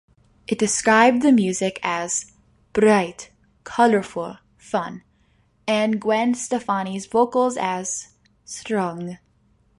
It described the music as "bright, colorful, fun" and Gwen Stefani's vocals as "strong".